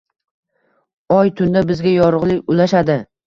Oy tunda bizga yorug‘lik ulashadi.